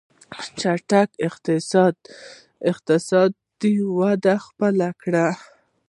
چټکه اقتصادي وده خپله کړي.